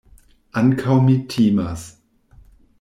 Ankaŭ mi timas.